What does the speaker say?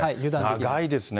長いですね。